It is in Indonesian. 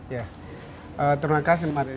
ya terima kasih mbak desi